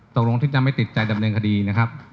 ตกลงที่จะไม่ติดใจดำเนินคดีนะครับ